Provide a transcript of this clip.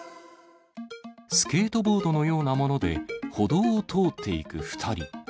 スケートボードのようなもので歩道を通っていく２人。